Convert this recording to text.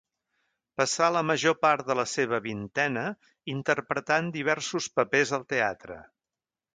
Passà la major part de la seva vintena interpretant diversos papers al teatre.